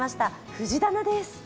藤棚です。